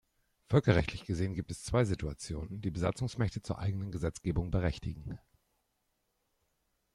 Völkerrechtlich gesehen gibt es zwei Situationen, die Besatzungsmächte zur eigenen Gesetzgebung berechtigen.